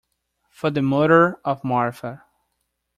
For the murder of Marthe.